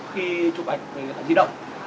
khi chụp ảnh về điện thoại di động